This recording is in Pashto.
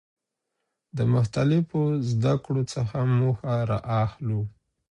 د مختلفو زده کړو څخه موخه را اخلو.